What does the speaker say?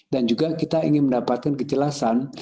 dan juga kita ingin mendapatkan kejelasan